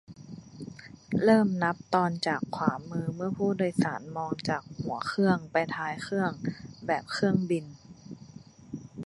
- เริ่มนับตอนจากขวามือเมื่อผู้โดยสารมองจากหัวเครื่องไปท้ายเครื่อง แบบเครื่องบิน